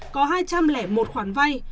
có hai trăm linh một khoản vay